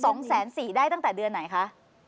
ซึ่ง๒แสน๔ได้ตั้งแต่เดือนไหนค่ะ